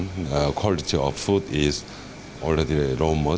jadi sudah sembilan puluh kualitas makanan sudah tidak banyak